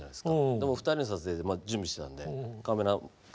でも２人の撮影で準備してたんでカメラ。